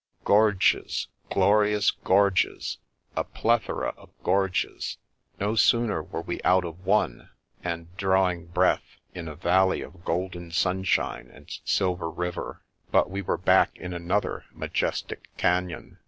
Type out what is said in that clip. Gorges, glorious gorges! a plethora of gorges. No sooner were we out of one, and drawing breath in a valley of golden sunshine and silver river, but we were back in another majestic canon.